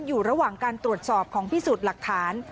อยู่ระหว่างการตรวจสอบของพิสูจน์หลักฐาน